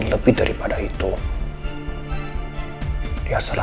gua tandai duk al